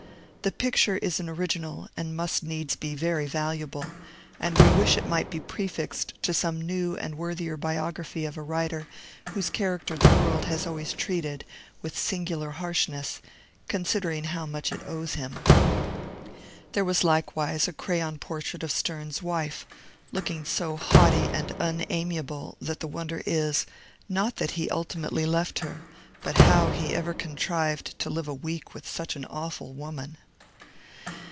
The picture is an original, and must needs be very valuable; and we wish it might be prefixed to some new and worthier biography of a writer whose character the world has always treated with singular harshness, considering how much it owes him. There was likewise a crayon portrait of Sterne's wife, looking so haughty and unamiable, that the wonder is, not that he ultimately left her, but how he ever contrived to live a week with such an awful woman.